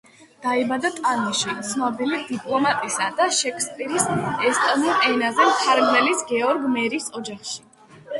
დაიბადა ტალინში, ცნობილი დიპლომატისა და შექსპირის ესტონურ ენაზე მთარგმნელის გეორგ მერის ოჯახში.